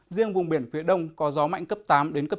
riêng vùng biển phía đông có gió mạnh cấp tám đến cấp tám